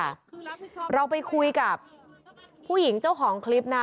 คือเราไปคุยกับผู้หญิงเจ้าของคลิปนะ